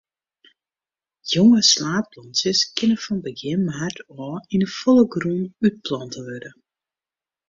Jonge slaadplantsjes kinne fan begjin maart ôf yn 'e folle grûn útplante wurde.